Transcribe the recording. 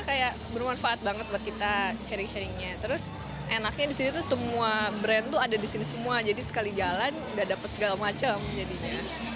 kayak bermanfaat banget buat kita sharing sharingnya terus enaknya di sini tuh semua brand tuh ada di sini semua jadi sekali jalan udah dapet segala macem jadinya